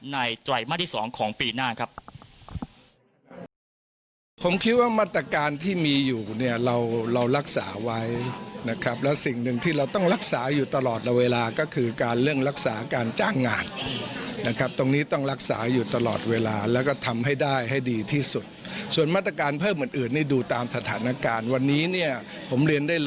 ไตรมาสที่๒ของปีหน้าครับ